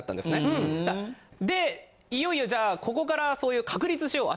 でいよいよじゃあここからそういう確立しよう！